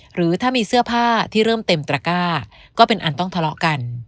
หรือถ้ามีเสื้อผ้าที่เริ่มเต็มตระก้าก็เป็นอันต้องทะเลาะกัน